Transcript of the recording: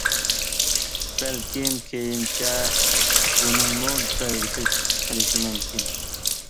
بەلكىم كېيىنچە بۇنىڭمۇ بەلگىسى چىقىپ قېلىشى مۇمكىن.